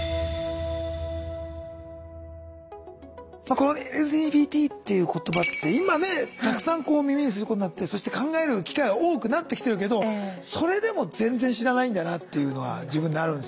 この「ＬＧＢＴ」っていう言葉って今ねたくさん耳にすることになってそして考える機会は多くなってきてるけどそれでも全然知らないんだよなっていうのは自分であるんですよね。